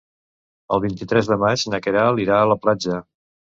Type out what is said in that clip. El vint-i-tres de maig na Queralt irà a la platja.